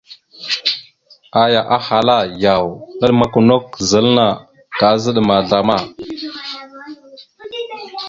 Aya ahala: « Yaw, naɗmakw a nakw zal anna, kaazaɗ ma zlama? ».